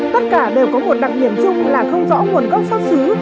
tất cả đều có một đặc điểm chung là không rõ nguồn gốc xuất xứ